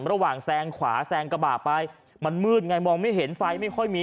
แซงขวาแซงกระบะไปมันมืดไงมองไม่เห็นไฟไม่ค่อยมี